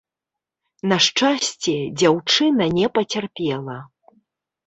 На шчасце, дзяўчына не пацярпела.